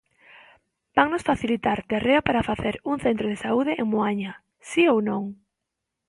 ¿Vannos facilitar terreo para facer un centro de saúde en Moaña?, ¿si ou non?